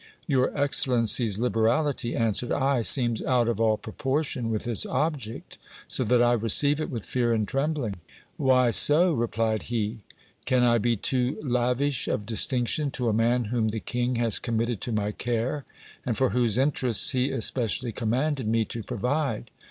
Your excellency's liberality, answered I, seems out of all proportion with its object ; so that I receive it with fear and trembling. Why so ? replied he. Can I be too lavish of distinction to a man whom the king has committed to my care, and for whose interests he especially commanded me to provide?